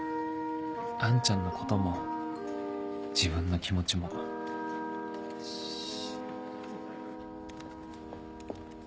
アンちゃんのことも自分の気持ちもよし。